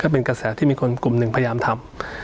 เป็นกระแสที่มีคนกลุ่มหนึ่งพยายามทำ